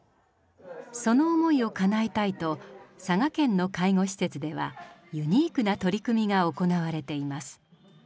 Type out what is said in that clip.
その思いをかなえたいと佐賀県の介護施設ではユニークな取り組みが行われています。